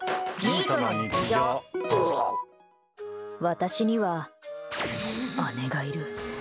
私には姉がいる。